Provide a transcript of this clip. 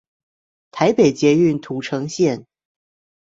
臺北捷運土城線